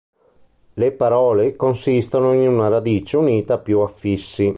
Le parole consistono in una radice unita a più affissi.